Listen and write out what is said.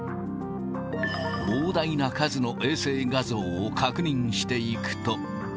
膨大な数の衛星画像を確認していくと。